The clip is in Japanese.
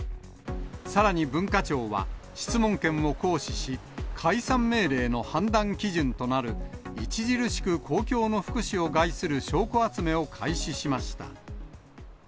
さらに文化庁は、質問権を行使し、解散命令の判断基準となる、著しく公共の福祉を害する証拠集めを開始しました。